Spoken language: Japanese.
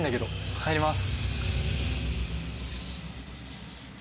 入ります。